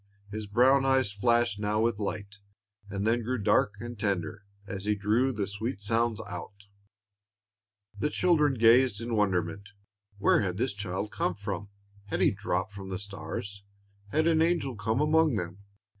His brown eyes flashed now with light, and then grew dark and tender, as he drew the sweet sounds out. The children gazed in wonderment: where had this child come from? had he dropped from the stars? had an angel come among them?